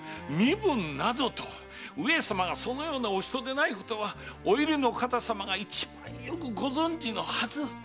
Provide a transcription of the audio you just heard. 身分などと上様がそのようなお人でないことはお由利の方様が一番よくご存じのはず！